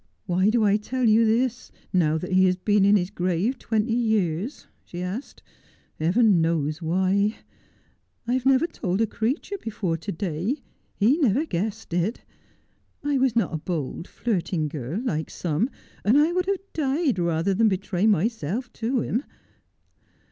' Why do I tell you this now that he has been in his grave twenty years ?' she asked. ' Heaven knows why. I have never told a creature before to day ; he never guessed it. I was not a bold, flirting girl, like some, and I would have died rather than betray myself to him.